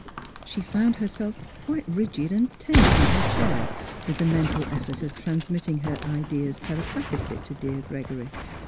She found herself quite rigid and tense in her chair with the mental effort of transmitting her ideas telepathically to dear Gregory.